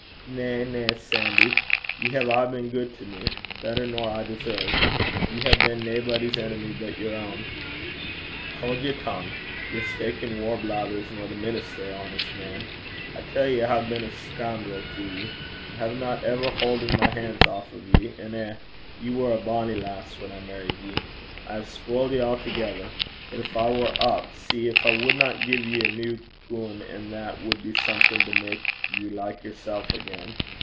'Na, na, Sandy. Ye hae aye been gude to me better nor I deserved. Ye hae been naebody's enemy but yer ain.' 'Haud yer tongue. Ye're speykin' waur blethers nor the minister, honest man! I tell ye I hae been a damned scoon'rel to ye. I haena even hauden my han's aff o' ye. And eh! ye war a bonny lass whan I merried ye. I hae blaudit (spoiled) ye a'thegither. But gin I war up, see gin I wadna gie ye a new goon, an' that wad be something to make ye like yersel' again.